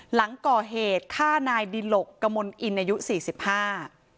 หลังก่อเหตุฆ่านายดิหลกกมลอินอายุสี่สิบห้า